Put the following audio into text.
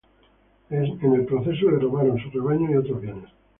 En el proceso les robaron sus rebaños y otros bienes.